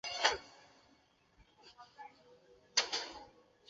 属于支笏洞爷国立公园。